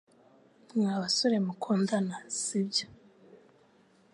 Mwa basore mukundana sibyo